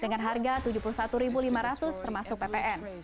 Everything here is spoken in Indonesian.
dengan harga rp tujuh puluh satu lima ratus termasuk ppn